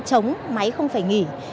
chống máy không phải nghỉ